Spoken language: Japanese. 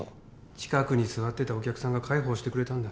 ・近くに座ってたお客が介抱してくれたんだ